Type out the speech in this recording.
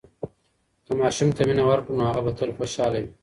که ماشوم ته مینه ورکړو، نو هغه به تل خوشحاله وي.